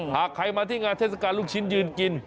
หากใครมาที่งานเทศกาลลูกชิ้นยืนกิน